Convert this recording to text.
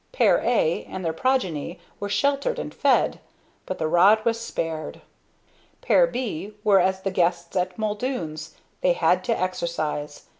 Pair A and their progeny were sheltered and fed, but the rod was spared; Pair B were as the guests at "Muldoon's" they had to exercise.